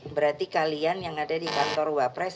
berarti kalian yang ada di kantor wapres